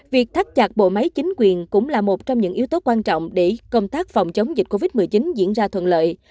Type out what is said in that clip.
việc thắt chặt bộ máy chính quyền cũng là một trong những yếu tố quan trọng để công tác phòng chống dịch covid một mươi chín diễn ra thuận lợi